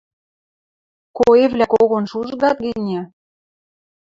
Коэвлӓ когон шужгат гӹньӹ